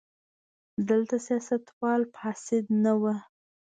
دلته سیاستوال فاسد نه وو.